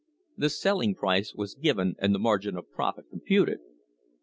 The selling price was given and the margin of profit computed.